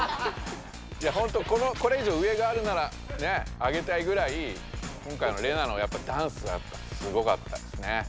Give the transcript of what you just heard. いやほんとこれいじょう上があるならあげたいぐらい今回のレナのやっぱダンスがすごかったですね。